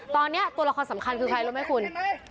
ตอนนี้ตัวละครสำคัญคือใครรู้ไหมคุณ